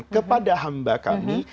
kepada hamba kami